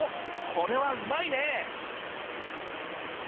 これはうまいね！